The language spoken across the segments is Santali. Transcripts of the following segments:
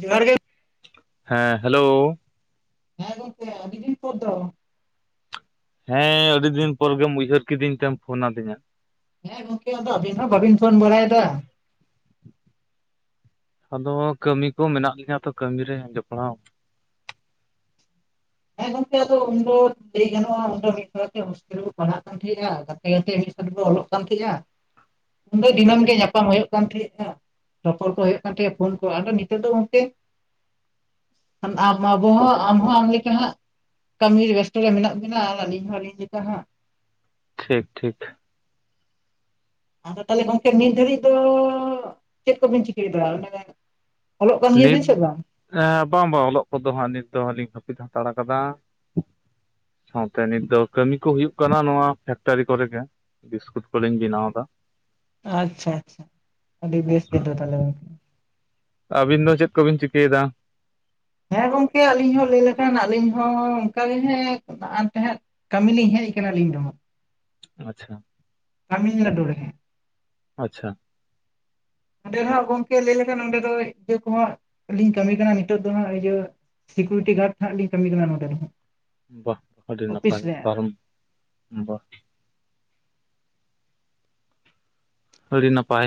ᱡᱚᱦᱟᱨ ᱜᱮ ᱦᱮᱸ ᱦᱮᱞᱳ ᱦᱮᱸ ᱜᱚᱝᱠᱮ ᱟᱹᱰᱤ ᱫᱤᱱ ᱯᱚᱨ ᱫᱚ ᱦᱮᱸ ᱟᱹᱰᱤ ᱫᱤᱱ ᱯᱚᱨ ᱜᱮᱢ ᱩᱭᱦᱟᱹᱨ ᱠᱤᱫᱤᱧ ᱛᱮᱢ ᱯᱷᱳᱱᱟᱫᱤᱧᱟ᱾ ᱦᱮᱸ ᱜᱚᱝᱠᱮ ᱟᱹᱵᱤᱱ ᱦᱚᱸ ᱵᱟᱹᱵᱤᱱ ᱯᱷᱳᱱ ᱵᱟᱲᱟᱭᱮᱫᱟ ᱟᱫᱚ ᱠᱟᱹᱢᱤ ᱠᱚ ᱢᱮᱱᱟᱜ ᱞᱤᱧᱟᱹ ᱛᱚ ᱠᱟᱹᱢᱤ ᱨᱮ ᱡᱚᱯᱲᱟᱣ ᱦᱮᱸ ᱜᱚᱝᱠᱮ ᱟᱫᱚ ᱩᱱ ᱞᱟᱹᱭ ᱜᱟᱱᱚᱜᱼᱟ ᱩᱱᱫᱚ ᱢᱤᱫ ᱥᱟᱶᱛᱮ ᱦᱳᱥᱴᱮᱞ ᱨᱮ ᱯᱟᱲᱦᱟᱜ ᱠᱟ ᱜᱟᱛᱮ ᱜᱟᱛᱮ ᱢᱤᱫ ᱥᱟᱶ ᱵᱚᱱ ᱚᱞᱚᱜ ᱠᱟᱱ ᱛᱟᱦᱮᱸᱟᱸᱜᱼᱟ ᱩᱱ ᱫᱚ ᱫᱤᱱᱟᱹᱢ ᱜᱮ ᱧᱟᱯᱟᱢ ᱦᱩᱭᱩᱜ ᱠᱟᱱ ᱛᱟᱦᱮᱸᱫᱼᱟ ᱨᱚᱯᱚᱲ ᱠᱚ ᱦᱩᱭᱩᱜ ᱠᱟᱱ ᱛᱟᱦᱮᱸᱫᱼᱟ ᱯᱷᱳᱱ ᱠᱚ ᱟᱨ ᱱᱤᱛᱚᱜ ᱫᱚ ᱜᱚᱝᱠᱮ ᱟᱢ ᱟᱵᱩ ᱦᱚᱸ ᱟᱢ ᱦᱚᱸ ᱦᱟᱸᱜ ᱠᱟᱹᱢᱤ ᱵᱮᱥᱛᱚ ᱨᱮ ᱢᱮᱱᱟᱜ ᱵᱤᱱᱟ ᱟᱨ ᱟᱹᱞᱤᱧ ᱦᱚᱸᱞᱤᱧ ᱞᱮᱠᱟ ᱦᱟᱸᱜ ᱴᱷᱤᱠ ᱴᱷᱤᱠ ᱟᱫᱚ ᱛᱟᱦᱚᱞᱮ ᱜᱚᱝᱠᱮ ᱱᱤᱛ ᱫᱷᱟᱹᱨᱤᱡ ᱫᱚ ᱪᱮᱫ ᱠᱚᱵᱤᱱ ᱪᱤᱠᱟᱹᱭᱮᱫᱟ ᱚᱱᱮ ᱚᱞᱚᱜ ᱠᱟᱱ ᱱᱤᱛ ᱜᱮᱭᱟᱵᱤᱱ ᱥᱮ ᱵᱟᱝ ᱦᱮᱸ ᱵᱟᱝ ᱵᱟᱝ ᱚᱞᱚᱜ ᱠᱚᱫᱚ ᱦᱟᱸᱜ ᱱᱤᱛ ᱫᱚ ᱞᱤᱧ ᱦᱟᱹᱯᱤᱫ ᱦᱟᱛᱟᱲ ᱠᱟᱫᱟ ᱥᱟᱶᱛᱮ ᱱᱤᱛ ᱫᱚ ᱠᱟᱹᱢᱤ ᱠᱚ ᱦᱩᱭᱩᱜ ᱠᱟᱱᱟ ᱱᱚᱣᱟ ᱯᱷᱮᱠᱴᱟᱨᱤ ᱠᱚᱨᱮ ᱜᱮ ᱵᱤᱥᱠᱩᱴ ᱠᱚᱞᱤᱧ ᱵᱮᱱᱟᱣ ᱫᱟ ᱟᱪᱪᱷᱟ ᱟᱪᱪᱷᱟ ᱟᱹᱰᱤ ᱵᱮᱥ ᱜᱮ ᱛᱟᱦᱚᱞᱮ ᱟᱹᱵᱤᱱ ᱫᱚ ᱪᱮᱫ ᱠᱚᱵᱤᱱ ᱪᱤᱠᱟᱹᱭᱮᱫᱟ ᱦᱮᱸ ᱜᱚᱝᱠᱮ ᱟᱹᱞᱤᱧ ᱦᱚᱸ ᱞᱟᱹᱭ ᱞᱮᱠᱷᱟᱱ ᱟᱹᱞᱤᱧ ᱦᱚᱸ ᱚᱱᱠᱟᱜ ᱜᱮ ᱦᱮᱸ ᱛᱟᱦᱮᱸᱫ ᱠᱟᱹᱢᱤ ᱞᱤᱧ ᱦᱮᱡ ᱠᱟᱱᱟ ᱟᱞᱤᱧ ᱫᱚ ᱟᱪᱪᱷᱟ ᱛᱟᱢᱤᱞᱱᱟᱲᱩ ᱨᱮ ᱟᱪᱪᱷᱟ ᱚᱸᱰᱮ ᱦᱟᱜ ᱜᱚᱝᱠᱮ ᱞᱟᱹᱭ ᱞᱮᱠᱷᱟᱱ ᱚᱸᱰᱮ ᱫᱚ ᱤᱭᱟᱹ ᱠᱚᱦᱟᱸᱜ ᱞᱤᱧ ᱠᱟᱹᱢᱤ ᱠᱟᱱᱟ ᱱᱤᱛᱚᱜ ᱫᱚ ᱦᱟᱸᱜ ᱤᱭᱟᱹ ᱥᱤᱠᱩᱨᱤᱴᱤ ᱜᱟᱨᱰ ᱱᱟᱜ ᱞᱤᱧ ᱠᱟᱹᱢᱤ ᱠᱟᱱᱟ ᱱᱚᱰᱮ ᱨᱮᱦᱚᱸ ᱵᱟᱦ ᱟᱹᱰᱤ ᱱᱟᱯᱟᱭ [unintelligible] ᱜᱮᱟᱨ ᱟᱹᱰᱤ ᱱᱟᱯᱟᱭ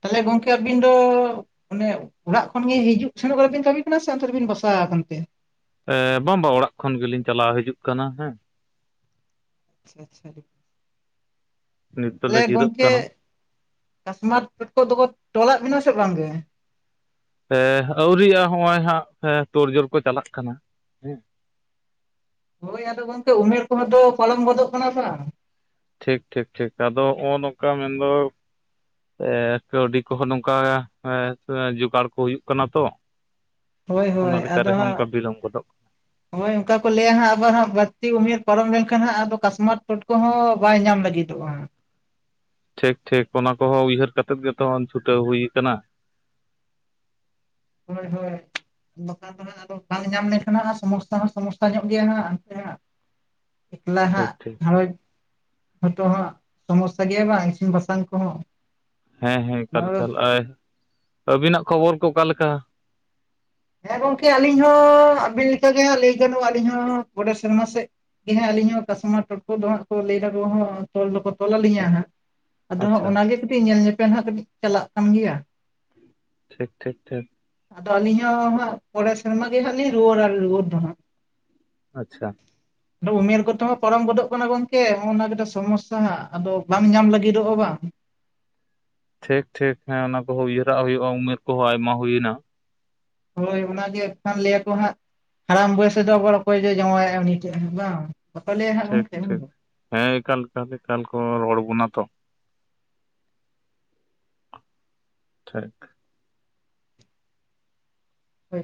ᱛᱟᱦᱚᱞᱮ ᱜᱚᱝᱠᱮ ᱟᱹᱵᱤᱱ ᱫᱚ ᱚᱱᱮ ᱚᱲᱟᱜ ᱠᱷᱚᱱᱜ ᱦᱤᱡᱩᱜ ᱥᱮᱱᱚᱜ ᱵᱟᱲᱟ ᱵᱤᱱ ᱠᱟᱹᱢᱤ ᱠᱟᱱᱟ ᱥᱮ ᱚᱱᱛᱮ ᱨᱮᱵᱤᱱ ᱵᱟᱥᱟ ᱟᱠᱟᱱᱛᱮ ᱵᱟᱝᱵᱟ ᱚᱲᱟᱜ ᱠᱷᱚᱱ ᱜᱮᱞᱤᱧ ᱪᱟᱞᱟᱣ ᱦᱤᱡᱩᱜ ᱠᱟᱱᱟ ᱦᱮᱸ ᱟᱪᱪᱷᱟ ᱟᱪᱪᱷᱟ ᱱᱤᱛ ᱫᱚᱞᱮ ᱛᱟᱦᱚᱞᱮ ᱡᱤᱨᱟᱹᱜ ᱜᱚᱝᱠᱮ ᱠᱟᱱᱟ ᱠᱟᱥᱢᱟᱨ ᱴᱚᱴᱠᱚ ᱫᱚᱠᱚ ᱛᱚᱞᱟᱜ ᱵᱮᱱᱟ ᱥᱮ ᱵᱟᱝᱜᱮ ᱟᱹᱣᱨᱤᱜᱼᱟ ᱱᱚᱜᱼᱚᱭ ᱦᱟᱸᱜ ᱛᱳᱲᱡᱷᱳᱲ ᱠᱚ ᱪᱟᱞᱟᱜ ᱠᱟᱱᱟ ᱦᱮᱸ ᱦᱳᱭ ᱟᱫᱚ ᱜᱚᱝᱠᱮ ᱩᱢᱮᱨ ᱠᱚᱦᱚᱸ ᱫᱚ ᱯᱟᱨᱟᱢ ᱜᱚᱫᱚᱜ ᱠᱟᱱᱟ ᱵᱟᱝ ᱴᱷᱤᱠ ᱴᱷᱤᱠ ᱴᱷᱤᱠ ᱟᱫᱚ ᱱᱚᱜᱼ ᱱᱚᱝᱠᱟ ᱢᱮᱱᱫᱚ ᱠᱟᱹᱣᱰᱤ ᱠᱚᱦᱚᱸ ᱱᱚᱝᱠᱟ ᱡᱚᱜᱟᱲ ᱠᱚ ᱦᱩᱭᱩᱜ ᱠᱟᱱᱟ ᱛᱚ ᱦᱳᱭ ᱦᱳᱭ ᱚᱱᱟᱠᱟ ᱟᱫᱚ ᱨᱮᱦᱚᱸ ᱦᱟᱸᱜ ᱚᱱᱠᱟ ᱵᱤᱞᱚᱢ ᱜᱚᱫᱚᱜ ᱦᱳᱭ ᱚᱱᱠᱟ ᱞᱮᱭᱟ ᱦᱟᱸᱜ ᱟᱵᱚ ᱦᱟᱜ ᱵᱟᱹᱲᱛᱤ ᱩᱢᱮᱨ ᱯᱟᱨᱚᱢ ᱞᱮᱱᱠᱷᱟᱱ ᱦᱟᱸᱜ ᱟᱫᱚ ᱠᱟᱥᱢᱟᱨ ᱥᱚᱴᱠᱚ ᱦᱚᱸ ᱵᱟᱭ ᱧᱟᱢ ᱞᱟᱹᱜᱤᱫᱚᱜᱼᱟ ᱴᱷᱤᱠ ᱴᱷᱤᱠ ᱚᱱᱟ ᱠᱚᱦᱚᱸ ᱩᱭᱦᱟᱹᱨ ᱠᱟᱛᱮᱫ ᱜᱮᱛᱚ ᱪᱷᱩᱴᱟᱹᱣ ᱦᱩᱭ ᱟᱠᱟᱱᱟ ᱦᱳᱭ ᱦᱳᱭ [unintelligible] ᱫᱚ ᱦᱟᱸᱜ ᱵᱟᱝ ᱧᱟᱢ ᱞᱮᱱᱠᱷᱟᱱ ᱥᱚᱢᱚᱥᱥᱟ ᱦᱚᱸ ᱥᱚᱢᱚᱥᱥᱟ ᱧᱚᱜ ᱜᱮᱭᱟ ᱦᱟᱜ ᱚᱱᱛᱮ ᱮᱠᱞᱟ ᱦᱟᱜ ᱴᱷᱤᱠ ᱴᱷᱤᱠ ᱜᱷᱟᱷᱟᱨᱚᱸᱡᱽ [unintelligible] ᱦᱚᱭ ᱛᱚ ᱦᱟᱸᱜ ᱥᱚᱢᱚᱥᱥᱟ ᱜᱮᱭᱟ ᱵᱟᱝ ᱤᱥᱤᱱ ᱵᱟᱥᱟᱝ ᱠᱚᱦᱚᱸ ᱦᱮᱸ ᱦᱮᱸ ᱚᱱᱟ ᱮᱠᱟᱞ ᱮᱠᱟᱞ ᱟᱹᱵᱤᱱᱟᱜ ᱠᱷᱚᱵᱚᱨ ᱠᱚ ᱚᱠᱟ ᱞᱮᱠᱟ ᱦᱮᱸ ᱜᱚᱝᱠᱮ ᱟᱹᱞᱤᱧ ᱦᱚᱸ ᱟᱵᱤ ᱞᱮᱠᱟᱜᱮ ᱦᱟᱸᱜ ᱞᱟᱹᱭ ᱜᱟᱱᱚᱜᱼᱟ ᱟᱹᱞᱤᱧ ᱦᱚᱸ ᱯᱚᱨᱮ ᱥᱮᱨᱢᱟ ᱥᱮᱫ ᱦᱮᱸ ᱟᱞᱤᱧ ᱦᱚᱸ ᱠᱟᱥᱢᱟᱨ ᱴᱚᱴᱠᱚ ᱫᱚ ᱦᱟᱜ ᱠᱚ ᱞᱟᱹᱭ ᱛᱚᱞ ᱫᱚᱠᱚ ᱛᱚᱞᱞᱤᱧᱟ ᱦᱟᱸᱜ ᱟᱫᱚᱜ ᱟᱪᱪᱷᱟ ᱚᱱᱟᱜᱮ ᱠᱟᱹᱴᱤᱡ ᱧᱮᱞ ᱧᱮᱯᱮᱞ ᱦᱟᱸᱜ ᱠᱟᱹᱴᱤᱡ ᱪᱟᱞᱟᱜ ᱠᱟᱱ ᱜᱮᱭᱟ ᱴᱷᱤᱠ ᱴᱷᱤᱠ ᱴᱷᱤᱠ ᱟᱫᱚ ᱟᱹᱞᱤᱧ ᱦᱚᱸ ᱦᱟᱸᱜ ᱯᱚᱨᱮ ᱥᱮᱨᱢᱟ ᱜᱮ ᱦᱟᱸᱜ ᱞᱤᱧ ᱨᱩᱣᱟᱹ ᱨᱩᱣᱟᱹᱲ ᱫᱚ ᱦᱟᱸᱜ ᱟᱪᱪᱷᱟ [inaudible] ᱩᱢᱮᱨ ᱠᱚᱫᱚ ᱦᱚᱸ ᱯᱟᱨᱚᱢ ᱜᱚᱫᱚᱜ ᱠᱟᱱᱟ ᱜᱚᱝᱠᱮ ᱱᱚᱜᱱᱟᱝᱠᱟ ᱥᱚᱢᱚᱥᱥᱟ ᱟᱫᱚ ᱵᱟᱝ ᱧᱟᱢ ᱞᱟᱹᱜᱤᱫᱚᱜᱼᱟ ᱵᱟᱝ ᱴᱷᱤᱠ ᱴᱷᱤᱠ ᱦᱮᱸ ᱚᱱᱟ ᱠᱚᱦᱚᱸ ᱩᱭᱦᱟᱹᱨᱟᱜ ᱦᱩᱭᱩᱜᱼᱟ ᱩᱢᱮᱨ ᱠᱚᱦᱚᱸ ᱟᱭᱢᱟ ᱦᱩᱭᱱᱟ ᱦᱳᱭ ᱚᱱᱟᱜᱮ ᱮᱠᱷᱟᱱ ᱞᱟᱹᱭᱟᱠᱚ ᱦᱟᱸᱜ ᱦᱟᱲᱟᱢ ᱵᱚᱭᱥ ᱨᱮᱫᱚ ᱟᱵᱟᱨ ᱚᱠᱚᱭ ᱡᱟᱶᱟᱭᱼᱟ ᱩᱱᱤ ᱴᱷᱮᱱ ᱵᱟᱝ ᱵᱟᱠᱚ ᱞᱮᱭᱟ ᱦᱟᱜ ᱴᱷᱤᱠ ᱴᱷᱤᱠ ᱦᱮᱸ ᱮᱠᱟᱞ ᱮᱠᱟᱞ ᱠᱚ ᱨᱚᱲ ᱵᱚᱱᱟ ᱛᱚ ᱴᱷᱤᱠ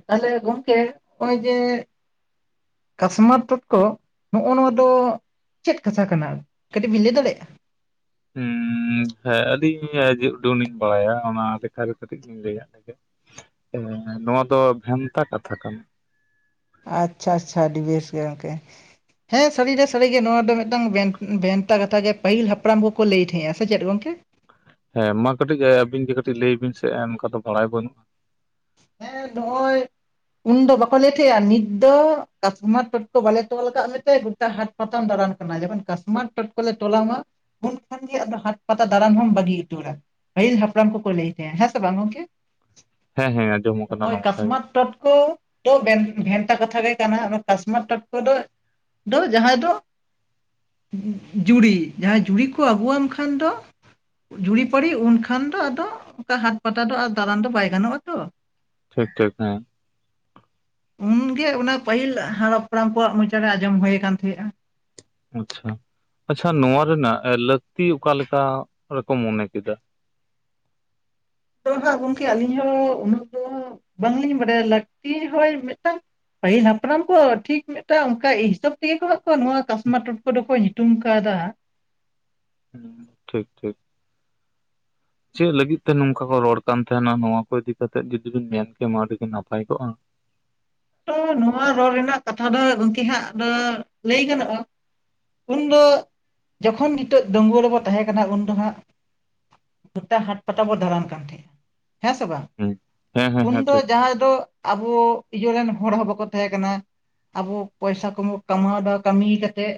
ᱛᱟᱦᱞᱮ ᱜᱚᱢᱠᱮ ᱱᱟᱜᱼᱚᱭ ᱡᱮ ᱠᱟᱥᱢᱟᱨ ᱴᱚᱴᱠᱚ ᱱᱚᱜᱼᱚ ᱱᱚᱣᱟ ᱫᱚ ᱪᱮᱫ ᱠᱟᱛᱷᱟ ᱠᱟᱱᱟ ᱠᱟᱹᱴᱤᱡ ᱵᱤᱱ ᱞᱟᱹᱭ ᱫᱟᱲᱮᱭᱟᱜᱼᱟ ᱦᱩᱸ ᱦᱮᱸ ᱟᱹᱞᱤᱧ ᱡᱮ ᱩᱰᱩᱱᱞᱤᱧ ᱵᱟᱲᱟᱭᱟ ᱚᱱᱟ ᱞᱮᱠᱷᱟᱨᱮ ᱠᱟᱹᱴᱤᱡ ᱞᱤᱧ ᱞᱟᱹᱭᱟᱫ ᱞᱮ ᱱᱚᱣᱟ ᱫᱚ ᱵᱷᱮᱱᱛᱟ ᱠᱟᱛᱷᱟ ᱠᱟᱱᱟ ᱟᱪᱪᱷᱟ ᱟᱪᱪᱷᱟ ᱟᱹᱰᱤ ᱵᱮᱥ ᱜᱮ ᱜᱚᱢᱠᱮ ᱦᱮᱸ ᱥᱟᱹᱨᱤ ᱨᱮ ᱥᱟᱹᱨᱤ ᱜᱮ ᱱᱚᱣᱟ ᱫᱚ ᱢᱤᱫᱴᱟᱝ ᱵᱷᱮᱱᱛᱟ ᱠᱟᱛᱷᱟ ᱜᱮ ᱯᱟᱹᱦᱤᱞ ᱦᱟᱯᱲᱟᱢ ᱠᱚᱠᱚ ᱞᱟᱹᱭ ᱛᱟᱦᱮᱸᱜᱼᱟ ᱥᱮ ᱪᱮᱫ ᱜᱚᱝᱠᱮ ᱦᱮᱸ ᱢᱟ ᱠᱟᱹᱴᱤᱡ ᱟᱹᱵᱤᱱ ᱜᱮ ᱠᱟᱹᱴᱤᱡ ᱞᱟᱹᱭ ᱵᱤᱱ ᱥᱮᱜ ᱚᱱᱠᱟ ᱫᱚ ᱵᱟᱲᱟᱭ ᱵᱟᱹᱱᱩᱜᱼᱟ ᱦᱮᱸ ᱱᱚᱜᱼᱚᱭ ᱩᱱᱫᱚ ᱵᱟᱠᱚ ᱞᱮ ᱛᱟᱦᱮᱸᱼᱟ ᱱᱤᱛ ᱫᱚ ᱠᱟᱥᱢᱟᱨ ᱴᱚᱴᱠᱚ ᱵᱟᱞᱮ ᱛᱚᱞ ᱟᱠᱟᱫ ᱢᱮᱛᱮ ᱜᱚᱴᱟ ᱦᱟᱴ ᱯᱟᱛᱟᱢ ᱫᱟᱨᱟᱱ ᱠᱟᱱᱟ ᱡᱚᱠᱷᱚᱱ ᱠᱟᱥᱢᱟᱴ ᱴᱚᱴᱠᱚ ᱞᱮ ᱛᱚᱞᱟᱢᱟ ᱩᱱᱠᱷᱟᱱ ᱜᱮ ᱟᱫᱚ ᱦᱟᱴ ᱯᱟᱛᱟ ᱫᱟᱲᱟᱱ ᱦᱚᱢ ᱵᱟᱹᱜᱤ ᱩᱴᱟᱹᱨᱟ ᱯᱟᱹᱦᱤᱞ ᱦᱟᱯᱲᱟᱢ ᱠᱚᱠᱚ ᱞᱟᱹᱭ ᱛᱟᱦᱮᱸᱼᱟ ᱦᱮᱸ ᱥᱮ ᱵᱟᱝ ᱜᱚᱝᱠᱮ ᱦᱮᱸ ᱦᱮᱸ ᱟᱸᱡᱚᱢ ᱟᱠᱟᱱᱟ ᱱᱚᱜᱼᱚᱭ ᱱᱚᱝᱠᱟ ᱜᱮ ᱠᱟᱥᱢᱟᱛ ᱴᱚᱴᱠᱚ ᱛᱚ ᱵᱮᱱ ᱵᱷᱮᱱᱛᱟ ᱠᱟᱛᱷᱟ ᱜᱮ ᱠᱟᱱᱟ ᱚᱱᱟ ᱠᱟᱥᱢᱟᱨ ᱴᱚᱴᱠᱚᱫᱚ ᱫᱚ ᱡᱟᱦᱟᱸᱭ ᱫᱚ ᱡᱩᱲᱤ ᱡᱟᱦᱟᱸᱭ ᱡᱩᱲᱤ ᱠᱚ ᱟᱹᱜᱩᱣᱟᱢ ᱠᱷᱟᱱ ᱫᱚ ᱡᱩᱲᱤᱯᱟᱨᱤ ᱩᱱᱠᱷᱟᱱ ᱫᱚ ᱟᱫᱚ ᱚᱱᱠᱟ ᱦᱟᱴ ᱯᱟᱛᱟ ᱫᱚ ᱫᱟᱬᱟᱱ ᱫᱚ ᱵᱟᱭ ᱜᱟᱱᱚᱜᱼᱟᱛᱚ ᱴᱷᱤᱠ ᱴᱷᱤᱠ ᱦᱮᱸ ᱩᱱᱜᱮ ᱚᱱᱟ ᱯᱟᱹᱦᱤᱞ ᱦᱟᱲ ᱦᱟᱯᱲᱟᱢ ᱠᱚᱣᱟᱜ ᱢᱚᱪᱟ ᱨᱮ ᱟᱸᱡᱚᱢ ᱦᱩᱭ ᱟᱠᱟᱱ ᱛᱟᱦᱮᱸᱫᱼᱟ ᱟᱪᱪᱷᱟ ᱟᱪᱪᱷᱟ ᱱᱚᱣᱟ ᱨᱮᱱᱟᱜ ᱞᱟᱹᱠᱛᱤ ᱚᱠᱟᱞᱮᱠᱟ ᱨᱮᱠᱚ ᱢᱚᱱᱮ ᱠᱮᱫᱟ ᱟᱫᱚ ᱦᱟᱸᱜ ᱜᱚᱝᱠᱮ ᱟᱹᱞᱤᱧ ᱦᱚᱸ ᱩᱱᱟᱹᱜ ᱫᱚ ᱵᱟᱝᱞᱤᱧ ᱵᱟᱰᱟᱭᱟ ᱞᱟᱹᱠᱛᱤ ᱦᱚᱭ ᱢᱤᱫᱴᱟᱝ ᱯᱟᱹᱦᱤᱞ ᱦᱟᱯᱲᱟᱢ ᱠᱚ ᱴᱷᱤᱠ ᱢᱤᱫᱴᱟᱝ ᱚᱱᱠᱟ ᱦᱤᱥᱟᱹᱵ ᱛᱮᱜᱮ ᱠᱚ ᱦᱟᱸᱜ ᱠᱚ ᱱᱚᱣᱟ ᱠᱟᱥᱢᱟᱨ ᱴᱚᱴᱠᱚ ᱫᱚ ᱠᱚ ᱧᱩᱛᱩᱢ ᱟᱠᱟᱫᱟ ᱦᱩᱸ ᱴᱷᱤᱠ ᱴᱷᱤᱠ ᱪᱮᱫ ᱞᱟᱹᱜᱤᱫ ᱛᱮ ᱱᱚᱝᱠᱟ ᱠᱚ ᱨᱚᱲ ᱠᱟᱱ ᱛᱟᱦᱮᱱᱟ ᱱᱚᱣᱟ ᱠᱚ ᱤᱫᱤ ᱠᱟᱛᱮᱫ ᱡᱩᱫᱤᱵᱮᱱ ᱢᱮᱱ ᱠᱮᱢᱟ ᱟᱹᱰᱤ ᱜᱮ ᱱᱟᱯᱟᱭ ᱠᱚᱜᱼᱟ ᱛᱚ ᱱᱚᱣᱟ ᱨᱚᱲ ᱨᱮᱱᱟᱜ ᱠᱟᱛᱷᱟ ᱫᱚ ᱜᱚᱝᱠᱮ ᱦᱟᱸᱜ ᱫᱚ ᱞᱟᱹᱭ ᱜᱟᱱᱚᱜᱼᱟ ᱩᱱᱫᱚ ᱡᱚᱠᱷᱚᱱ ᱱᱤᱛᱚᱜ ᱫᱟᱺᱜᱩᱣᱟᱹ ᱨᱮᱵᱚ ᱛᱟᱦᱮᱸ ᱠᱟᱱᱟ ᱩᱱ ᱫᱚ ᱦᱟᱸᱜ ᱜᱚᱴᱟ ᱦᱟᱴ ᱯᱟᱴᱟ ᱵᱚ ᱫᱟᱬᱟᱱ ᱠᱟᱱ ᱛᱟᱦᱮᱸᱜᱼᱟ ᱦᱮᱸ ᱥᱮ ᱵᱟᱝ ᱦᱮᱸ ᱦᱮᱸ ᱦᱮᱸ ᱩᱱ ᱦᱮᱸ ᱫᱚ ᱴᱷᱤᱠ ᱡᱟᱦᱟᱸ ᱫᱚ ᱟᱵᱚ ᱤᱭᱟᱹ ᱨᱮᱱ ᱦᱚᱲ ᱦᱚᱸ ᱵᱟᱠᱚ ᱛᱟᱦᱮᱸᱠᱟᱱᱟ ᱟᱵᱚ ᱯᱚᱭᱥᱟ ᱠᱚᱵᱚ ᱠᱟᱢᱟᱣ ᱮᱫᱟ ᱠᱟᱹᱢᱤ ᱠᱟᱛᱮᱫ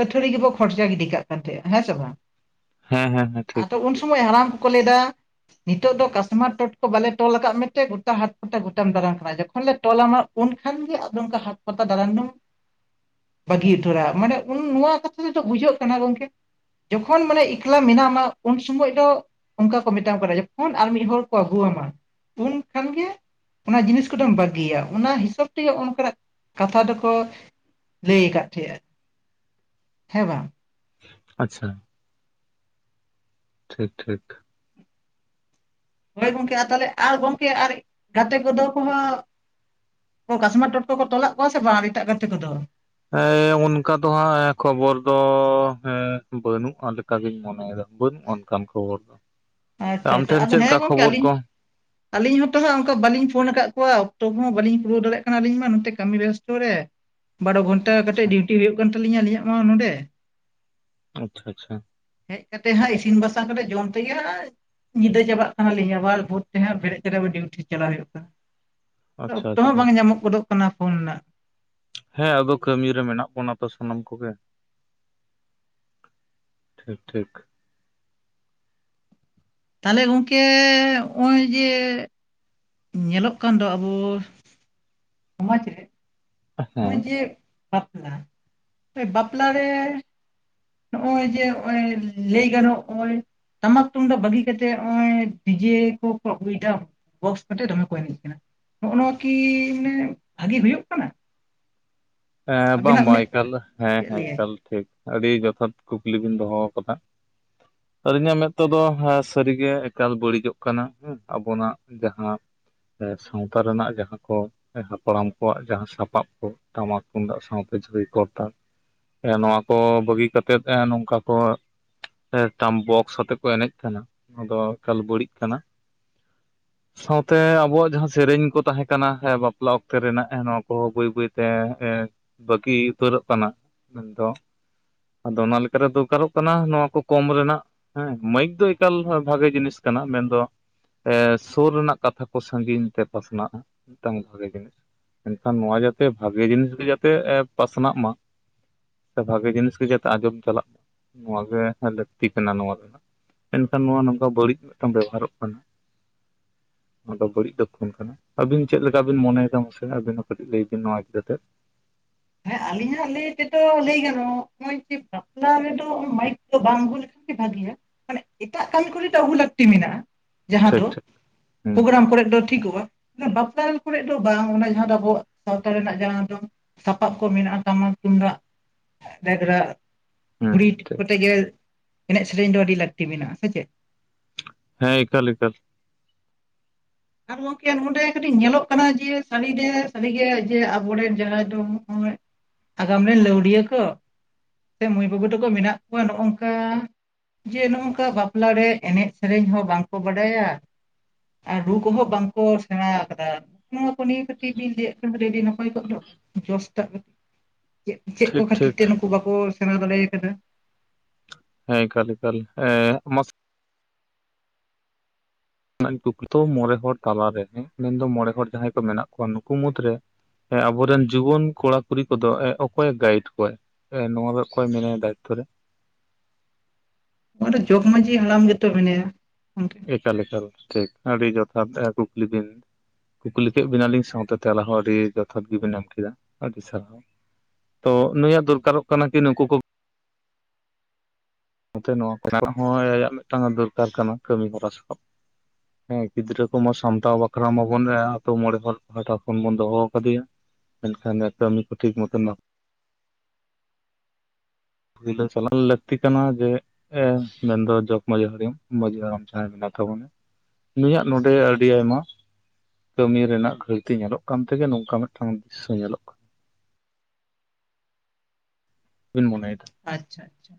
ᱟᱹᱛᱷᱟᱹᱲᱤ ᱜᱮᱵᱚ ᱠᱷᱚᱨᱪᱟ ᱜᱤᱰᱤ ᱠᱟᱜ ᱠᱟᱱ ᱛᱟᱦᱮᱸᱱᱟ ᱦᱮᱸ ᱥᱮ ᱵᱟᱝ ᱦᱮᱸ ᱦᱮᱸ ᱦᱮᱸ ᱴᱷᱤᱠ ᱟᱫᱚ ᱩᱱ ᱥᱚᱢᱚᱭ ᱦᱟᱲᱟᱢ ᱠᱚ ᱞᱮᱫᱟ ᱱᱤᱛᱚᱜ ᱫᱚ ᱠᱟᱥᱢᱟᱨ ᱴᱚᱴᱠᱚ ᱵᱟᱞᱮ ᱴᱚᱞ ᱟᱠᱟᱫ ᱢᱮᱛᱮ ᱜᱚᱴᱟ ᱦᱟᱴ ᱯᱟᱛᱟ ᱜᱚᱴᱟᱢ ᱫᱟᱲᱟᱱ ᱠᱟᱱᱟ ᱡᱚᱠᱷᱚᱱ ᱞᱮ ᱛᱚᱞᱟᱢᱟ ᱩᱱᱠᱷᱟᱱ ᱜᱮ ᱟᱫᱚ ᱱᱝᱠᱟ ᱦᱟᱴ ᱯᱟᱛᱟ ᱫᱟᱲᱬᱟᱱ ᱫᱚᱢ ᱵᱟᱹᱜᱤ ᱩᱛᱟᱹᱨᱟ ᱢᱟᱱᱮ ᱩᱱ ᱱᱚᱣᱟ ᱠᱟᱛᱷᱟ ᱛᱮᱫᱚ ᱵᱩᱡᱷᱟᱹᱜ ᱠᱟᱱᱟ ᱜᱚᱝᱠᱮ ᱡᱚᱠᱷᱚᱱ ᱢᱟᱱᱮ ᱮᱠᱞᱟ ᱢᱮᱱᱟᱢᱟ ᱩᱱ ᱥᱚᱢᱚᱭ ᱫᱚ ᱚᱱᱠᱟ ᱠᱚ ᱢᱮᱴᱟᱢ ᱠᱟᱱᱟ ᱡᱚᱠᱷᱚᱱ ᱟᱨ ᱢᱤᱫ ᱦᱚᱲ ᱠᱚ ᱟᱹᱜᱩ ᱟᱢᱟ ᱩᱱ ᱠᱷᱟᱱᱜᱮ ᱚᱱᱟ ᱡᱤᱱᱤᱥ ᱠᱚ ᱫᱚᱢ ᱵᱟᱹ- ᱜᱤᱭᱟ ᱚᱱᱟ ᱦᱤᱥᱟᱹᱵ ᱛᱮᱜᱮ ᱚᱱᱠᱟᱱᱟᱜ ᱠᱟᱛᱷᱟ ᱫᱚᱠᱚ ᱞᱟᱹᱭ ᱟᱠᱟᱫ [unintelligible] ᱦᱮᱸᱵᱟᱝ ᱟᱪᱪᱷᱟ ᱴᱷᱤᱠ ᱴᱷᱤᱠ ᱦᱚᱭ ᱜᱚᱝᱠᱮ ᱟᱨ ᱛᱟᱦᱚᱞᱮ ᱟᱨ ᱜᱚᱢᱠᱮ ᱟᱨ ᱜᱟᱛᱮ ᱠᱚᱫᱚ ᱠᱚᱦᱚᱸ ᱠᱟᱥᱢᱟᱨ ᱴᱚᱴᱠᱚ ᱠᱚ ᱛᱚᱞᱟᱜ ᱠᱚᱣᱟ ᱥᱮ ᱵᱟᱝ ᱮᱴᱟᱜ ᱜᱟᱛᱮ ᱠᱚᱫᱚ ᱦᱮᱸ ᱚᱱᱠᱟ ᱫᱚ ᱦᱟᱸᱜ ᱠᱷᱚᱵᱚᱨ ᱫᱚ ᱦᱮᱸ ᱵᱟᱹᱱᱩᱜᱼᱟ ᱚᱱᱠᱟᱜᱤᱧ ᱢᱚᱱᱮᱭᱮᱫᱟ ᱵᱟᱹᱱᱩᱜᱟ ᱚᱱᱠᱟᱱ ᱠᱷᱚᱵᱚᱨ ᱫᱚ ᱟᱪᱪᱷᱟ ᱟᱢ ᱟᱪᱪᱷᱟ ᱴᱷᱮᱱ ᱟᱫᱚ ᱪᱮᱫ ᱦᱮᱸ ᱞᱮᱠᱟ ᱜᱚᱝᱠᱮ ᱠᱷᱚᱵᱚᱨ ᱟᱹᱞᱤᱧ ᱠᱚ ᱟᱹᱞᱤᱧ ᱦᱚᱸᱛᱚ ᱦᱟᱸᱜ ᱚᱱᱠᱟ ᱵᱟᱹᱞᱤᱧ ᱯᱷᱳᱱ ᱟᱠᱟᱫ ᱠᱚᱣᱟ ᱚᱠᱛᱚ ᱠᱚᱦᱚᱸ ᱵᱟᱹᱞᱤᱧ ᱠᱩᱨᱟᱹᱣ ᱫᱟᱲᱮᱭᱟᱜ ᱠᱟᱱᱟ ᱟᱹᱞᱤᱧ ᱢᱟ ᱱᱚᱛᱮ ᱠᱟᱹᱢᱤ ᱵᱮᱭᱟᱥᱛᱚ ᱨᱮ ᱵᱟᱨᱚ ᱜᱷᱚᱱᱴᱟ ᱠᱟᱴᱮᱫ ᱟᱪᱪᱷᱟ ᱰᱤᱩᱴᱤ ᱦᱩᱭᱩᱜ ᱠᱟᱱ ᱛᱟᱹᱞᱤᱧᱟ ᱟᱹᱞᱤᱧᱟᱜ ᱢᱟ ᱱᱚᱰᱮ ᱟᱪᱪᱷᱟ ᱟᱪᱪᱷᱟ ᱦᱮᱡ ᱠᱟᱛᱮᱫ ᱦᱟᱜ ᱤᱥᱤᱱ ᱵᱟᱥᱟᱝ ᱠᱟᱛᱮᱫ ᱡᱚᱢ ᱛᱮᱜᱮ ᱦᱟᱸᱜ ᱧᱤᱫᱟᱹ ᱪᱟᱵᱟᱜ ᱠᱟᱱᱟᱞᱤᱧ ᱟᱵᱟᱨ ᱵᱷᱩᱫ ᱛᱮ ᱦᱟᱸᱜ ᱵᱮᱨᱮᱫ ᱠᱟᱛᱮ ᱰᱤᱭᱩᱴᱤ ᱪᱟᱞᱟᱜ ᱦᱩᱭᱩᱜ ᱠᱟᱱᱟ ᱟᱪᱪᱷᱟ ᱚᱠᱛᱚ ᱦᱚᱸ ᱟᱪᱪᱷᱟ ᱵᱟᱝ ᱧᱟᱢᱚᱜ ᱜᱚᱫᱚᱜ ᱠᱟᱱᱟ ᱯᱷᱳᱱ ᱨᱮᱱᱟᱜ ᱦᱮᱸ ᱟᱫᱚ ᱠᱟᱹᱢᱤ ᱨᱮ ᱢᱮᱱᱟᱜ ᱵᱚᱱᱟ ᱛᱚ ᱥᱟᱱᱟᱢ ᱠᱚᱜᱮ ᱴᱷᱤᱠ ᱴᱷᱤᱠ ᱛᱟᱦᱚᱞᱮ ᱜᱚᱝᱠᱮ ᱱᱚᱜᱼᱚᱭ ᱡᱮ ᱧᱮᱞᱚᱜ ᱠᱟᱱ ᱫᱚ ᱟᱵᱚ ᱥᱚᱢᱟᱡᱽ ᱨᱮ ᱦᱮᱸ ᱱᱚᱜᱼᱚᱭ ᱡᱮ ᱵᱟᱯᱞᱟ ᱵᱟᱯᱞᱟ ᱨᱮ ᱱᱚᱜᱼᱚᱭ ᱡᱮ [unintelligible] ᱞᱟᱹᱭ ᱜᱟᱱᱚᱜ ᱱᱚᱜ ᱚᱭ ᱴᱟᱢᱟᱠ ᱛᱩᱢᱫᱟᱜ ᱵᱟᱹᱜᱤ ᱠᱟᱛᱮᱫ ᱱᱚᱜ ᱱᱚᱜᱚᱭ ᱰᱤᱡᱮ ᱠᱚ ᱟᱹᱜᱩᱭ ᱮᱫᱟ ᱵᱚᱠᱥ ᱠᱟᱛᱮ ᱫᱚᱢᱮ ᱠᱚ ᱮᱱᱮᱡ ᱠᱟᱱᱟ ᱱᱚᱜᱼᱚ ᱱᱚᱣᱟ ᱠᱤ ᱢᱟᱱᱮ ᱵᱷᱟᱜᱤ ᱦᱩᱭᱩᱜ ᱠᱟᱱᱟ ᱦᱮᱸ ᱵᱟᱝ ᱟᱵᱤᱱᱟᱜ ᱵᱟᱝ ᱢᱮᱫ ᱮᱠᱟᱞ ᱦᱮᱸ ᱪᱮᱫ ᱦᱮᱸ ᱞᱟᱹᱭᱟᱭ ᱮᱠᱟᱞ ᱴᱷᱤᱠ ᱟᱹᱰᱤ ᱡᱚᱛᱷᱟᱛ ᱠᱩᱠᱞᱤ ᱵᱤᱱ ᱫᱚᱦᱚ ᱟᱠᱟᱫᱟ ᱟᱹᱞᱤᱧᱟᱜ ᱢᱮᱫ ᱛᱮᱫᱚ ᱥᱟᱹᱨᱤᱜᱮ ᱮᱠᱟᱞ ᱵᱟᱹᱲᱤᱡᱚᱜ ᱠᱟᱱᱟ ᱦᱮᱸ ᱟᱵᱚᱱᱟᱜ ᱡᱟᱦᱟᱸ ᱥᱟᱶᱛᱟ ᱨᱮᱱᱟᱜ ᱡᱟᱦᱟᱸ ᱠᱚ ᱦᱟᱯᱲᱟᱢ ᱠᱚᱣᱟᱜ ᱡᱟᱦᱟᱸ ᱥᱟᱯᱟᱵ ᱠᱚ ᱴᱟᱢᱟᱠ ᱛᱩᱢᱫᱟᱜ ᱥᱟᱶᱛᱮ ᱡᱷᱤ ᱠᱚᱨ ᱱᱚᱣᱟ ᱠᱚ ᱵᱟᱹᱜᱤ ᱠᱟᱛᱮᱫ ᱱᱚᱝᱠᱟ ᱠᱚ ᱴᱟᱢᱯ ᱵᱚᱠᱥ ᱟᱛᱮᱜ ᱠᱚ ᱮᱱᱮᱡ ᱠᱟᱱᱟ ᱟᱫᱚ ᱮᱠᱟᱞ ᱵᱟᱹᱲᱤᱡ ᱠᱟᱱᱟ [inaudible] ᱥᱟᱶᱛᱮ ᱟᱵᱚᱣᱟᱜ ᱡᱟᱦᱟᱸ ᱥᱮᱨᱮᱧ ᱠᱚ ᱛᱟᱦᱮᱸ ᱠᱟᱱᱟ ᱦᱮᱸ ᱵᱟᱯᱞᱟ ᱚᱠᱛᱮ ᱨᱮᱱᱟᱜ ᱦᱮ ᱱᱚᱣᱟ ᱠᱚᱦᱚᱸ ᱵᱟᱹᱭ ᱵᱟᱹᱭᱛᱮ ᱮ ᱵᱟᱹᱠᱤ ᱩᱛᱟᱹᱨᱚᱜ ᱠᱟᱱᱟ ᱢᱮᱱᱫᱚ ᱟᱫᱚ ᱚᱱᱟ ᱞᱮᱠᱟᱨᱮ ᱫᱚᱨᱠᱟᱨᱚᱜ ᱠᱟᱱᱟ ᱱᱚᱣᱟ ᱠᱚ ᱠᱚᱢ ᱨᱮᱱᱟᱜ ᱦᱮᱸ ᱢᱟᱹᱭᱤᱠ ᱫᱚ ᱮᱠᱟᱞ ᱵᱷᱟᱜᱮ ᱡᱤᱱᱤᱥ ᱠᱟᱱᱟ ᱢᱮᱱᱫᱚ ᱮᱻ ᱥᱩᱨ ᱨᱮᱱᱟᱜ ᱠᱟᱛᱷᱟ ᱠᱚ ᱥᱟᱺᱜᱤᱧ ᱛᱮ ᱯᱟᱥᱱᱟᱜᱼᱟ ᱢᱤᱫᱴᱟᱝ ᱵᱷᱟᱜᱮ ᱡᱤᱱᱤᱥ ᱢᱮᱱᱠᱷᱟᱱ ᱱᱚᱣᱟ ᱡᱟᱛᱮ ᱵᱷᱟᱜᱮ ᱡᱤᱱᱤᱥ ᱜᱮ ᱡᱮᱛᱮ ᱯᱟᱥᱱᱟᱜ ᱢᱟ ᱥᱮ ᱵᱷᱟᱜᱮ ᱡᱤᱱᱤᱥ ᱜᱮ ᱡᱟᱛᱮ ᱟᱸᱡᱚᱢ ᱪᱟᱞᱟᱜ ᱱᱚᱣᱟ ᱜᱮ ᱞᱟᱹᱠᱛᱤ ᱠᱟᱱᱟ ᱱᱚᱣᱟ ᱨᱮᱱᱟᱜ ᱢᱮᱱᱠᱷᱟᱱ ᱱᱚᱣᱟ ᱱᱚᱝᱠᱟ ᱵᱟᱹᱲᱤᱡ ᱢᱤᱫᱴᱟᱝ ᱵᱮᱵᱚᱦᱟᱨᱚᱜ ᱠᱟᱱᱟ ᱚᱱᱟ ᱫᱚ ᱵᱟᱹᱲᱤᱡ ᱫᱚᱠᱷᱚᱱ ᱠᱟᱱᱟ ᱟᱹᱵᱤᱱ ᱪᱮᱫ ᱞᱮᱠᱟ ᱵᱤᱱ ᱢᱚᱱᱮᱭ ᱮᱫᱟ ᱢᱟᱥᱮ ᱟᱹᱵᱤᱱ ᱦᱚᱸ ᱠᱟᱹᱴᱤᱡ ᱞᱟᱹᱭ ᱵᱤᱱ ᱱᱚᱣᱟ ᱤᱫᱤ ᱠᱟᱛᱮ ᱦᱮᱸ ᱟᱹᱞᱤᱧᱟᱜ ᱞᱟᱹᱭ ᱛᱮᱫᱚ ᱞᱟᱹᱭ ᱜᱟᱱᱚᱜ ᱱᱚᱜᱼᱚᱭ ᱡᱮ ᱵᱟᱯᱞᱟ ᱨᱮᱫᱚ ᱢᱟᱭᱤᱠ ᱫᱚ ᱵᱟᱝ ᱟᱜᱩ [unintelligible] [unintelligible] ᱵᱷᱟᱹᱜᱤᱭᱟ ᱢᱟᱱᱮ ᱮᱴᱟᱜ ᱠᱟᱹᱢᱤ ᱠᱚᱨᱮ ᱫᱚ ᱟᱜᱩ ᱞᱟᱹᱠᱛᱤ ᱢᱮᱱᱟᱜᱼᱟ ᱡᱟᱦᱟᱸ ᱴᱷᱤᱠ ᱫᱚ ᱴᱷᱤᱠ ᱦᱩᱸ ᱯᱨᱳᱜᱨᱟᱢ ᱠᱚᱨᱮ ᱫᱚ ᱴᱷᱤᱠᱚᱜᱼᱟ ᱵᱟᱯᱞᱟ ᱠᱚᱨᱮ ᱫᱚ ᱵᱟᱝ ᱚᱱᱟ ᱡᱟᱦᱟᱸ ᱫᱚ ᱟᱵᱚᱣᱟᱜ ᱥᱟᱶᱛᱟ ᱨᱮᱱᱟᱜ ᱡᱟᱦᱟᱸ ᱫᱚ ᱥᱟᱯᱟᱵ ᱠᱚ ᱢᱮᱱᱟᱜᱼᱟ ᱴᱟᱢᱟᱠ ᱛᱩᱢᱫᱟᱜ ᱨᱮᱜᱽᱨᱟ ᱦᱩᱸ ᱦᱩᱸ [unintelligible] ᱴᱷᱤᱠ ᱠᱚᱛᱮ ᱜᱮ ᱮᱱᱮᱡ ᱥᱮᱨᱮᱧ ᱫᱚ ᱟᱹᱰᱤ ᱞᱟᱹᱠᱛᱤ ᱢᱮᱱᱟᱜᱼᱟ ᱥᱮ ᱪᱮᱫ ᱦᱮᱸ ᱮᱠᱟᱞ ᱮᱠᱟᱞ ᱟᱨ ᱜᱚᱝᱠᱮ ᱱᱚᱰᱮ ᱠᱟᱹᱴᱤᱡ ᱧᱮᱞᱚᱜ ᱠᱟᱱᱟ ᱡᱮ ᱥᱟᱨᱤ ᱜᱮ ᱟᱵᱚᱨᱮᱱ ᱡᱟᱦᱟᱸᱭ ᱫᱚ ᱟᱜᱟᱢ ᱨᱮᱱ ᱞᱟᱹᱣᱲᱤᱭᱟᱹ ᱠᱚ ᱥᱮ ᱢᱟᱹᱭ ᱵᱟᱹᱵᱩ ᱛᱟᱠᱚ ᱢᱮᱱᱟᱜ ᱠᱚᱣᱟ ᱱᱚᱜᱚ ᱱᱚᱝᱠᱟ ᱡᱮ ᱱᱚᱜᱚ ᱱᱚᱝᱠᱟ ᱵᱟᱯᱞᱟ ᱨᱮ ᱮᱱᱮᱡ ᱥᱮᱨᱮᱧ ᱦᱚᱸ ᱵᱟᱝᱠᱚ ᱵᱟᱰᱟᱭᱟ ᱟᱨ ᱨᱩ ᱠᱚᱦᱚᱸ ᱵᱟᱝ ᱠᱚ ᱥᱮᱬᱟ ᱟᱠᱟᱫᱟ ᱱᱚᱣᱟ ᱠᱚ ᱱᱤᱭᱟᱹ ᱠᱟᱹᱴᱤᱡ ᱵᱤᱱ ᱞᱟᱹᱭᱟᱫ ᱠᱷᱟᱱ ᱠᱟᱴᱤᱡ ᱟᱹᱰᱤ ᱱᱟᱯᱟᱭ ᱠᱚᱜ ᱫᱚ ᱡᱚᱥ ᱴᱟᱜ ᱪᱮᱫ ᱪᱮᱫ ᱠᱚ ᱴᱷᱤᱠ ᱠᱷᱟᱹᱛᱤᱨ ᱴᱷᱤᱠ ᱛᱮ ᱱᱩᱠᱩ ᱵᱟᱠᱚ ᱥᱮᱬᱟ ᱫᱟᱲᱮᱠᱟᱫᱟ ᱦᱮᱸ ᱮᱠᱟᱞ ᱮᱠᱟᱞ ᱮ ᱢᱟᱥ ᱫᱩᱠ ᱫᱚ ᱢᱚᱬᱮ ᱦᱚᱲ ᱛᱟᱞᱟᱨᱮ ᱢᱮᱱᱫᱚ ᱢᱚᱬᱮ ᱦᱚᱲ ᱡᱟᱦᱟᱸᱭ ᱠᱚ ᱢᱮᱱᱟᱜ ᱠᱚᱣᱟ ᱱᱩᱠᱩ ᱢᱩᱫᱽᱨᱮ ᱟᱵᱚᱨᱮᱱ ᱡᱩᱣᱟᱹᱱ ᱠᱚᱲᱟ ᱠᱩᱲᱤ ᱠᱚᱫᱚ ᱚᱠᱚᱭ ᱮ ᱜᱟᱭᱤᱰ ᱠᱚᱣᱟᱭ ᱦᱮᱸ ᱱᱚᱣᱟ ᱫᱚ ᱚᱠᱚᱭ ᱢᱮᱱᱟᱭᱟ ᱫᱟᱭᱤᱠᱛᱚ ᱨᱮ ᱱᱚᱰᱮ ᱡᱚᱜᱽ ᱢᱟᱺᱡᱷᱤ ᱦᱟᱲᱟᱢ ᱜᱮᱛᱚ ᱢᱮᱱᱟᱭᱟ ᱮᱠᱟᱞᱮᱠ ᱴᱷᱤᱠ ᱟᱹᱰᱤ ᱡᱚᱛᱷᱟᱛ ᱠᱩᱠᱞᱤ ᱵᱤᱱ ᱠᱩᱠᱞᱤ ᱠᱮᱫ ᱵᱮᱱᱟᱞᱤᱧ ᱥᱟᱶᱛᱮ ᱛᱮᱞᱟ ᱦᱚᱸ ᱟᱹᱰᱤ ᱡᱚᱛᱷᱟᱛ ᱜᱮᱵᱤᱱ ᱮᱢ ᱠᱮᱫᱟ ᱟᱹᱰᱤ ᱥᱟᱨᱦᱟᱣ ᱛᱚ ᱱᱩᱭᱟᱜ ᱫᱚᱨᱠᱟᱨᱚᱜ ᱠᱟᱱᱟ ᱠᱤ ᱱᱩᱠᱩ ᱠᱚ ᱱᱚᱛᱮ ᱱᱚᱣᱟ ᱠᱚ ᱦᱚᱸ ᱟᱭᱟᱜ ᱢᱤᱫᱴᱟᱝ ᱫᱚᱨᱠᱟᱨ ᱠᱟᱱᱟ ᱠᱟᱹᱢᱤ ᱦᱚᱨᱟ ᱥᱟᱠᱟᱵ ᱦᱮᱸ ᱜᱤᱫᱽᱨᱟᱹ ᱠᱚᱢᱟ ᱥᱟᱢᱴᱟᱣ ᱵᱟᱠᱷᱨᱟ ᱢᱟᱵᱚᱱ ᱟᱛᱳ ᱢᱚᱬᱮ ᱦᱚᱲ ᱯᱟᱦᱴᱟ ᱠᱷᱚᱱ ᱵᱚᱱ ᱫᱚᱦᱚ ᱟᱠᱟᱫᱮᱭᱟ ᱢᱮᱱᱠᱷᱟᱱ ᱠᱟᱹᱢᱤ ᱠᱚ ᱴᱷᱤᱠ ᱢᱚᱛᱚᱱ [unintelligible] ᱯᱟᱹᱭᱞᱟᱹ ᱪᱟᱞᱟᱣ ᱞᱟᱠᱛᱤ ᱠᱟᱱᱟ ᱡᱮ ᱢᱮᱱᱫᱚ ᱡᱚᱜ ᱢᱟᱺᱡᱷᱤ ᱦᱟᱲᱟᱢ ᱢᱟᱺᱡᱷᱤ ᱦᱟᱲᱟᱢ ᱡᱟᱦᱟᱸᱭ ᱢᱮᱱᱟᱭ ᱛᱟᱵᱚᱱᱟ ᱱᱩᱭᱟᱜ ᱱᱚᱰᱮ ᱟᱹᱰᱤ ᱟᱭᱢᱟ ᱠᱟᱹᱢᱤ ᱨᱮᱱᱟᱜ ᱜᱷᱟᱹᱲᱛᱤ ᱧᱮᱞᱚᱜ ᱠᱟᱱ ᱛᱮᱜᱮ ᱱᱚᱝᱠᱟ ᱢᱤᱫᱴᱟᱝ ᱫᱨᱤᱥᱥᱚ ᱧᱮᱞᱚᱜ ᱠᱟᱱᱟ᱾ ᱵᱤᱱ ᱢᱚᱱᱮᱭ ᱮᱫᱟ᱾ ᱟᱪᱪᱷᱟ, ᱟᱪᱪᱷᱟ᱾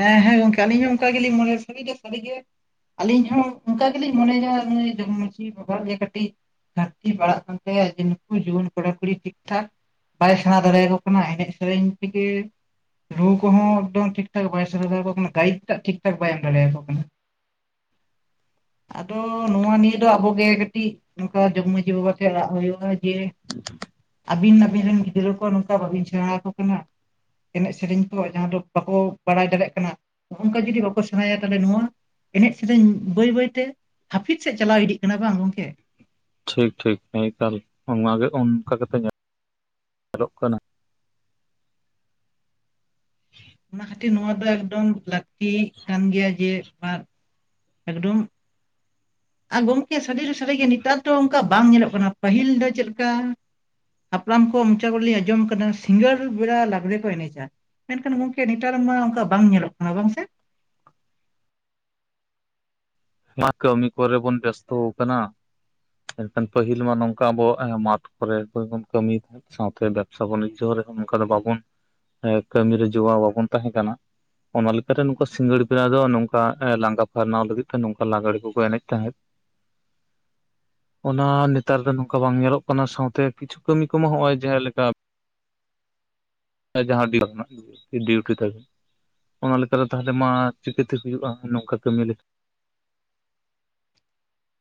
ᱦᱮᱸ ᱦᱮᱸ ᱜᱚᱝᱠᱮ ᱟᱹᱞᱤᱧ ᱦᱚᱸ ᱚᱱᱠᱟ ᱜᱮᱞᱤᱧ ᱢᱚᱱᱮᱭᱟ, ᱥᱟᱹᱨᱤ ᱫᱚ ᱥᱟᱹᱨᱤ ᱜᱮ ᱟᱹᱞᱤᱧ ᱦᱚᱸ ᱚᱱᱠᱟ ᱜᱮᱞᱤᱧ ᱢᱚᱱᱮᱭᱟ ᱱᱩᱭ ᱡᱚᱜᱽ ᱢᱟᱺᱡᱷᱤ ᱵᱟᱵᱟ ᱜᱮ ᱠᱟᱹᱴᱤᱡ ᱜᱷᱟᱹᱨᱛᱤ ᱯᱟᱲᱟᱜ ᱠᱟᱱ ᱛᱟᱭᱟ ᱡᱮ ᱱᱩᱠᱩ ᱡᱩᱣᱟᱹᱱ ᱠᱚᱲᱟ ᱠᱩᱲᱤ ᱴᱷᱤᱠ ᱴᱷᱟᱠ ᱵᱟᱭ ᱥᱮᱬᱟ ᱫᱟᱲᱮᱭᱟᱠᱚ ᱠᱟᱱᱟ, ᱮᱱᱮᱡ ᱥᱮᱨᱮᱧ ᱛᱷᱮᱠᱮ ᱨᱩ ᱠᱚᱦᱚᱸ ᱮᱠᱫᱚᱢ ᱴᱷᱤᱠᱷᱟᱠ ᱴᱷᱤᱠ ᱴᱷᱟᱠ ᱵᱟᱭ ᱥᱮᱲᱟ ᱫᱟᱲᱮ ᱟᱠᱚ ᱠᱟᱱᱟ ᱜᱟᱭᱤᱰ ᱴᱟᱜ ᱴᱷᱤᱠ ᱴᱷᱟᱠ ᱵᱟᱭ ᱮᱢ ᱫᱟᱲᱮᱭᱟᱠᱚ ᱠᱟᱱᱟ᱾ ᱟᱫᱚ ᱱᱚᱣᱟ ᱱᱤᱭᱟᱹ ᱫᱚ ᱟᱵᱚᱜᱮ ᱠᱟᱹᱴᱤᱡ ᱱᱚᱝᱠᱟ ᱡᱚᱜᱽ ᱢᱟᱺᱡᱷᱤ ᱵᱟᱵᱟ ᱴᱷᱮᱡ ᱨᱟᱜ ᱦᱩᱭᱩᱜᱼᱟ ᱡᱮ ᱟᱵᱤᱱ, ᱟᱹᱵᱤᱱ ᱨᱮᱱ ᱜᱤᱫᱽᱨᱟᱹ ᱠᱚ ᱵᱟᱹᱵᱤᱧ ᱥᱮᱬᱟ ᱟᱠᱚ ᱠᱟᱱᱟ ᱮᱱᱮᱡ ᱥᱮᱨᱮᱧ ᱠᱚ ᱡᱟᱦᱟᱸ ᱫᱚ ᱵᱟᱠᱚ ᱵᱟᱲᱟᱭ ᱫᱟᱲᱮᱭᱟᱜ ᱠᱟᱱᱟ᱾ ᱱᱚᱜᱚ ᱱᱚᱝᱠᱟ ᱡᱩᱫᱤ ᱵᱟᱠᱚ ᱥᱮᱬᱟᱭᱟ ᱛᱟᱦᱚᱞᱮ ᱱᱚᱣᱟ ᱮᱱᱮᱡ ᱥᱮᱨᱮᱧ ᱵᱟᱹᱭ ᱵᱟᱹᱭ ᱛᱮ, ᱦᱟᱟᱹᱯᱤᱫ ᱥᱮᱫ ᱪᱟᱞᱟᱣ ᱤᱫᱤᱜ ᱠᱟᱱᱟ ᱵᱟᱝ ᱜᱚᱝᱠᱮ? ᱴᱷᱤᱠ ᱴᱷᱤᱠ ᱮᱠᱟᱞ ᱚᱝᱠᱟ ᱠᱟᱛᱮ ᱧᱮᱞᱚᱜ ᱠᱟᱱᱟ ᱚᱱᱟ ᱠᱷᱟᱹᱛᱤᱨ ᱱᱚᱣᱟ ᱫᱚ ᱮᱠᱫᱚᱢ ᱞᱟᱹᱠᱛᱤ ᱠᱟᱱ ᱜᱮᱭᱟ ᱡᱮ ᱟᱨ ᱮᱠᱫᱚᱢ ᱟᱨ ᱜᱚᱢᱠᱮ ᱥᱟᱹᱨᱤ ᱫᱚ ᱥᱟᱹᱨᱤ ᱜᱮ ᱱᱮᱛᱟᱨ ᱫᱚ ᱚᱱᱠᱟ ᱵᱟᱝ ᱧᱮᱞᱚᱜ ᱠᱟᱱᱟ, ᱯᱟᱹᱦᱤᱞ ᱫᱚ ᱪᱮᱫ ᱞᱮᱠᱟ ᱦᱟᱯᱲᱟᱢ ᱠᱚᱣᱟᱜ ᱢᱚᱪᱟ ᱠᱚᱨᱮ ᱞᱤᱧ ᱟᱸᱡᱚᱢ ᱟᱠᱟᱫᱟ ᱥᱤᱸᱜᱟᱹᱲ ᱵᱮᱲᱟ ᱞᱟᱜᱽᱲᱮ ᱠᱚ ᱮᱱᱮᱡᱟ᱾ ᱢᱮᱱᱠᱷᱟᱱ ᱜᱚᱝᱠᱮ ᱱᱮᱛᱟᱨ ᱨᱮᱱ ᱢᱟ ᱚᱱᱠᱟ ᱵᱟᱝ ᱧᱮᱞᱚᱜ ᱠᱟᱱᱟ ᱵᱟᱝ ᱥᱮ? [unintelligible] ᱠᱟᱹᱢᱤ ᱠᱚᱨᱮ ᱵᱚᱱ ᱵᱮᱥᱛᱚ ᱟᱠᱟᱱᱟ᱾ ᱢᱮᱱᱠᱷᱟᱱ ᱯᱟᱹᱦᱤᱞ ᱢᱟ ᱱᱚᱝᱠᱟ ᱟᱵᱚᱣᱟᱜ ᱢᱟᱴᱷ ᱠᱚᱨᱮ ᱵᱚᱱ ᱠᱟᱹᱢᱤᱭᱮᱫ ᱛᱟᱦᱮᱸᱫ᱾ ᱥᱟᱶᱛᱮ ᱵᱮᱵᱥᱟ ᱵᱟᱱᱤᱡᱽᱡᱚ ᱨᱮᱦᱚᱸ ᱱᱚᱝᱠᱟ ᱫᱚ ᱵᱟᱵᱚᱱ ᱮ ᱠᱟᱹᱢᱤᱨ ᱨᱮ ᱡᱚᱣᱟᱣ ᱵᱟᱵᱚᱱ ᱛᱟᱦᱮᱸ ᱠᱟᱱᱟ᱾ ᱚᱱᱟ ᱞᱮᱠᱟᱨᱮ ᱱᱚᱝᱠᱟ ᱥᱤᱸᱜᱟᱹᱲ ᱵᱮᱲᱟ ᱫᱚ ᱱᱚᱝᱠᱟ ᱞᱟᱸᱜᱟ ᱯᱷᱟᱨᱱᱟᱣ ᱞᱟᱹᱜᱤᱫ ᱱᱚᱝᱠᱟ ᱞᱟᱜᱽᱲᱮ ᱠᱚᱠᱚ ᱮᱱᱮᱡ ᱛᱟᱦᱮᱸᱫ᱾ ᱚᱱᱟ ᱱᱮᱛᱟᱨ ᱫᱚ ᱱᱚᱝᱠᱟ ᱵᱟᱝ ᱧᱮᱞᱚᱜ ᱠᱟᱱᱟ ᱥᱟᱶᱛᱮ ᱠᱤᱪᱷᱩ ᱠᱟᱹᱢᱤ ᱠᱚᱢᱟ ᱱᱚᱜᱼᱚᱭ ᱡᱟᱦᱟᱸ ᱞᱮᱠᱟ ᱡᱟᱦᱟᱸ ᱫᱤᱱ ᱨᱮᱱᱟᱜ ᱰᱤᱭᱩᱴᱤ ᱛᱟᱸᱦᱮᱠᱟᱱᱟ ᱚᱱᱟ ᱞᱮᱠᱟᱛᱮ ᱛᱟᱦᱚᱞᱮ ᱢᱟ ᱪᱤᱠᱟᱹᱛᱮ ᱦᱩᱭᱩᱜᱼᱟ ᱱᱚᱝᱠᱟ ᱠᱟᱹᱢᱤ ᱞᱮᱠ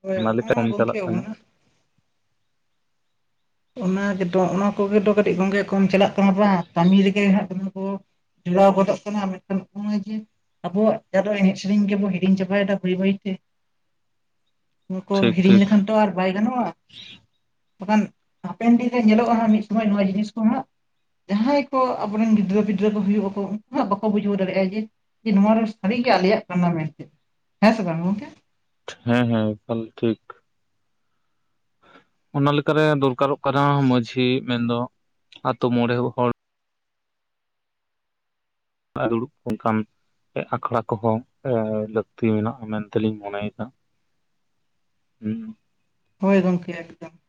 ᱦᱳᱭ ᱚᱱᱟ ᱞᱮᱠᱟ ᱠᱚᱢ ᱪᱟᱞᱟᱜ ᱜᱚᱝᱠᱮ ᱠᱟᱱᱟ᱾ ᱚᱱᱟ ᱚᱱᱟ ᱜᱮᱛᱚ ᱚᱱᱟ ᱠᱚᱜᱮ ᱫᱚ ᱠᱟᱹᱴᱤᱡ ᱜᱚᱝᱜᱮ ᱠᱚᱢ ᱪᱟᱞᱟᱜ ᱠᱟᱱᱟ ᱵᱟᱝ? ᱠᱟᱹᱢᱤ ᱨᱮᱜᱮ ᱦᱟᱸᱜ ᱫᱚᱢᱮ ᱠᱚ ᱰᱷᱮᱲᱟᱣ ᱜᱚᱫᱚᱜ ᱠᱟᱱᱟ ᱢᱮᱱ ᱠᱷᱟᱱ ᱱᱚᱜᱚᱭ ᱡᱮ ᱟᱵᱚᱣᱟᱜ ᱡᱟᱫᱚ ᱮᱱᱮᱡ ᱥᱮᱨᱮᱧ ᱜᱮᱵᱚᱱ ᱦᱤᱲᱤᱧ ᱪᱟᱵᱟᱭᱟ ᱫᱟ ᱵᱟᱹᱭ ᱵᱟᱹᱭᱛᱮ᱾ ᱱᱚᱣᱟ ᱠᱚ ᱴᱷᱤᱠ ᱦᱤᱲᱤᱧ ᱴᱷᱤᱠ ᱞᱮᱠᱷᱟᱱ ᱛᱚ ᱟᱨ ᱵᱟᱭ ᱜᱟᱱᱚᱜᱼᱟ, ᱵᱟᱠᱷᱟᱱ ᱦᱟᱯᱮᱱ ᱫᱤᱱ ᱨᱮ ᱧᱮᱞᱚᱜᱼᱟ ᱦᱟᱸᱜ ᱢᱤᱫ ᱥᱚᱢᱚᱭ ᱱᱚᱣᱟ ᱡᱤᱱᱤᱥ ᱠᱚ ᱦᱟᱸᱜ ᱡᱟᱦᱟᱸᱭ ᱠᱚ ᱟᱵᱚᱨᱮᱱ ᱜᱤᱫᱽᱨᱟᱹ ᱯᱤᱫᱽᱨᱟᱹ ᱠᱚ ᱦᱩᱭᱩᱜ ᱟᱠᱚ, ᱩᱱᱠᱩ ᱵᱟᱠᱚ ᱵᱩᱡᱷᱟᱹᱣ ᱫᱟᱲᱮᱭᱟᱜᱼᱟ ᱡᱮ ᱡᱮ ᱱᱚᱣᱟᱨᱮ ᱥᱟᱹᱨᱤᱜᱮ ᱟᱞᱮᱭᱟᱜ ᱠᱟᱱᱟ ᱢᱮᱱᱛᱮ, ᱦᱮᱸ ᱥᱮ ᱵᱟᱝ ᱜᱚᱝᱠᱮ? ᱦᱮᱸ ᱦᱮᱸ ᱮᱠᱟᱞ ᱴᱷᱤᱠ᱾ ᱚᱱᱟ ᱞᱮᱠᱟᱨᱮ ᱫᱚᱨᱠᱟᱨᱚᱜ ᱠᱟᱱᱟ ᱢᱟᱺᱡᱷᱤ, ᱢᱮᱱᱫᱚ ᱟᱛᱳ ᱢᱚᱬᱮ ᱦᱚᱲ᱾ ᱫᱩᱲᱩᱵ [inaudible] ᱠᱟᱱ ᱮ ᱟᱠᱷᱲᱟ ᱠᱚᱦᱚᱸ ᱮ ᱞᱟᱹᱠᱛᱤ ᱢᱮᱱᱟᱜᱼᱟ ᱢᱮᱱᱛᱮᱞᱤᱧ ᱢᱚᱱᱮᱭᱮᱫᱟ᱾ ᱦᱩᱸ᱾ ᱦᱳᱭ ᱜᱚᱢᱠᱮ ᱮᱠᱫᱚᱢ᱾